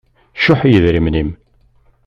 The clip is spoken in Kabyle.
Cuḥ i yidrimen-im.